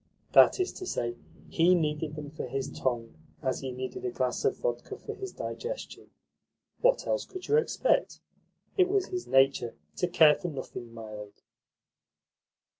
That is to say, he needed them for his tongue as he need a glass of vodka for his digestion. What else could you expect? It was his nature to care for nothing mild.